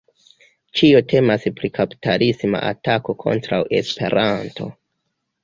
Ĉio temas pri kapitalisma atako kontraŭ Esperanto.